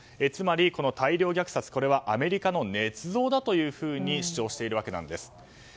つまり、大量虐殺はアメリカのねつ造だというふうに主張しているわけです。